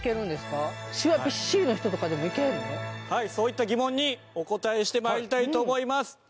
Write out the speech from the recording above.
はいそういった疑問にお答えして参りたいと思います。